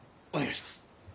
お願いします。